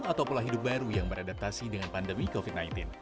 atau pola hidup baru yang beradaptasi dengan pandemi covid sembilan belas